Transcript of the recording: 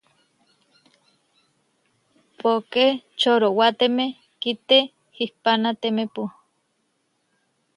Póke čorówateme kitehihpánatemepu.